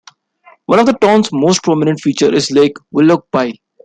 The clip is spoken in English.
One of the town's most prominent features is Lake Willoughby.